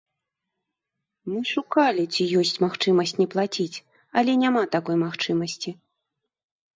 Мы шукалі, ці ёсць магчымасць не плаціць, але няма такой магчымасці.